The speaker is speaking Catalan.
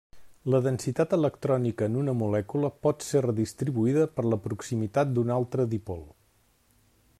La densitat electrònica en una molècula pot ser redistribuïda per la proximitat d'un altre dipol.